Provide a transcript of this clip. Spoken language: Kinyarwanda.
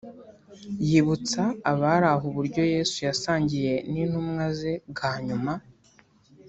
yibutsa abari aho uburyo Yezu yasangiye n’intumwa ze bwa nyuma